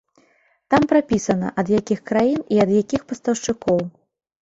Там прапісана, ад якіх краін і ад якіх пастаўшчыкоў.